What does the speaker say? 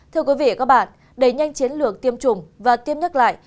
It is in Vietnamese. thưa quý vị và các bạn đẩy nhanh chiến lược tiêm chủng và tiêm nhắc lại